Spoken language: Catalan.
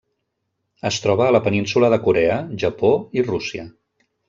Es troba a la Península de Corea, Japó i Rússia.